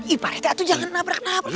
ih pak rete itu jangan nabrak nabrak